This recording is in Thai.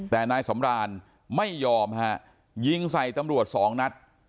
แต่นายสำรานไม่ยอมฮะยิงใส่ตำรวจสองนัด